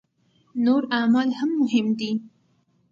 نور اعمال هم مهم دي.